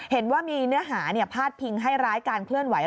เห็นว่ามีเนื้อหาพาดพิงให้ร้ายการเคลื่อนไหว